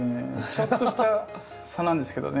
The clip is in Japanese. ちょっとした差なんですけどね。